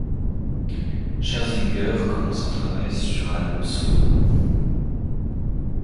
Scherzinger commence un travail sur un album solo.